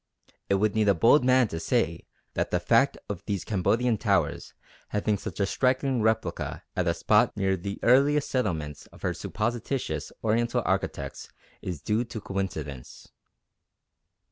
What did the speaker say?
It would need a bold man to say that the fact of these Cambodian towers having such a striking replica at a spot near the earliest settlements of our supposititious Oriental architects is due to coincidence.